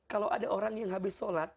kalau ada orang yang habis sholat